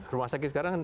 rumah sakit sekarang